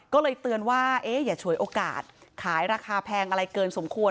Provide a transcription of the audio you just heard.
ก็เลยเตือนว่าอย่าฉวยโอกาสขายราคาแพงอะไรเกินสมควร